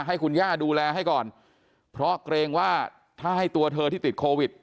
ให้คุณย่าดูแลให้ก่อนเพราะเกรงว่าถ้าให้ตัวเธอที่ติดโควิด